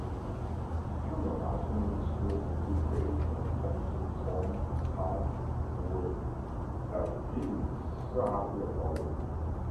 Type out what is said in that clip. Tuman has finished the school with good grades and sent to its home town for work”’ that he is so happy about it.